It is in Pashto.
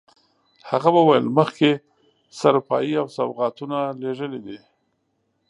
هغه وویل مخکې سروپايي او سوغاتونه لېږلي دي.